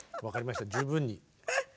分かりました十分に。